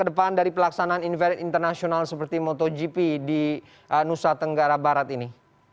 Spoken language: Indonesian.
apa kemampuan dari pelaksanaan investasi internasional seperti motogp di nusa tenggara barat ini